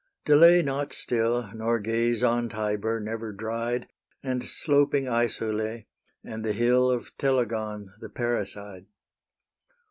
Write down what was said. Delay not still, Nor gaze on Tibur, never dried, And sloping AEsule, and the hill Of Telegon the parricide.